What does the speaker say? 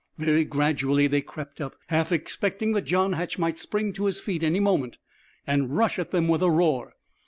Very gradually they crept up, half expecting that John Hatch might spring to his feet any moment and rush at them with a roar.